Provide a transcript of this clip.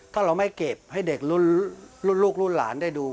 ถ้าเราไม่เก็บให้เด็กรุ่นลูกรุ่นหลานได้ดู